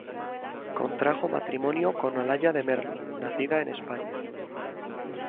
Contrajo matrimonio con Olalla de Merlo, nacida en España.